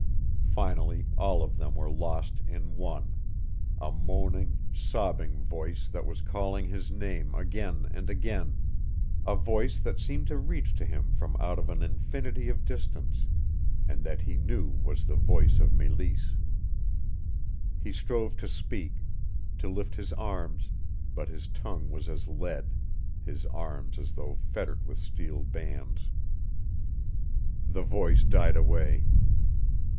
Finally all of them were lost in one a moaning, sobbing voice that was calling his name again and again, a voice that seemed to reach to him from out of an infinity of distance, and that he knew was the voice of Meleese. He strove to speak, to lift his arms, but his tongue was as lead, his arms as though fettered with steel bands. The voice died away.